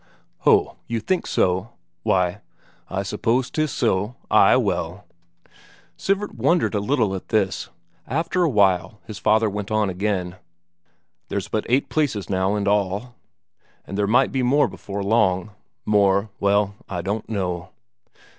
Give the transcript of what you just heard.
"Ho, you think so? Why, I suppose 'tis so, ay, well...." Sivert wondered a little at this. After a while his father went on again: "There's but eight places now in all, but there might be more before long. More ... well, I don't know...."